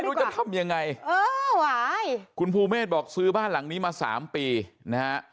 ไม่รู้จะทำยังไงเออคุณภูเมฆบอกซื้อบ้านหลังนี้มาสามปีนะฮะ